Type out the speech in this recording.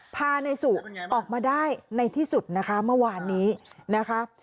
พานายสุออกมาได้ในที่สุดนะคะเมื่อวานนี้นะคะ